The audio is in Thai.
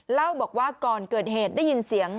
เล่าบอกว่าก่อนเกิดเหตุได้ยินเสียง